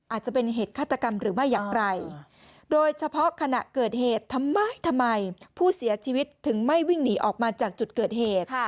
อาจจะเป็นเหตุฆาตกรรมหรือไม่อย่างไรโดยเฉพาะขณะเกิดเหตุทำไมทำไมผู้เสียชีวิตถึงไม่วิ่งหนีออกมาจากจุดเกิดเหตุ